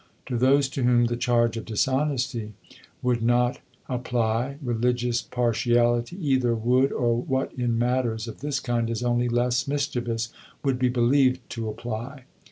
To those to whom the charge of dishonesty would not apply, religious partiality either would, or, what in matters of this kind is only less mischievous, would be believed to, apply."